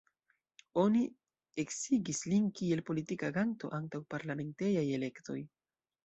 Oni eksigis lin kiel politika aganto antaŭ parlamentaj elektoj.